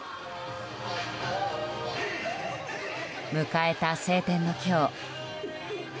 迎えた晴天の今日。